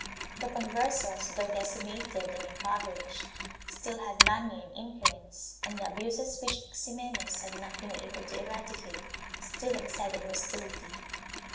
3 The Converses, though decimated and impoverished, still had money and influence and the abuses which Ximenes had not been able to eradicate still excited hostility.